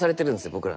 僕ら。